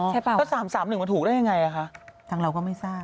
อ๋อถ้า๓๓๑มันถูกได้อย่างไรคะทั้งเราก็ไม่ทราบ